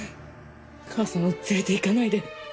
母さんを連れて行かないで。